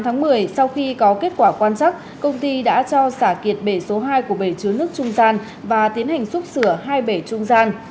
ngày một mươi sau khi có kết quả quan chắc công ty đã cho xả kiệt bể số hai của bể chứa nước trung gian và tiến hành xúc sửa hai bể trung gian